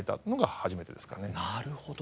なるほど。